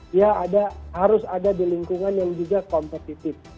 dia harus ada di lingkungan yang juga kompetitif